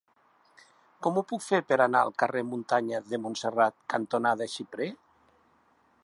Com ho puc fer per anar al carrer Muntanya de Montserrat cantonada Xiprer?